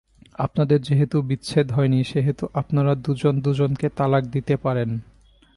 আপনাদের যেহেতু বিচ্ছেদ হয়নি, সেহেতু আপনারা দুজন দুজনকে তালাক দিতে পারেন।